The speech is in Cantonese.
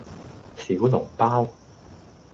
小籠包